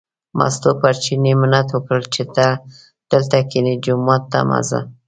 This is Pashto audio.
مستو پر چیني منت وکړ چې ته دلته کینې، جومات ته مه ځه.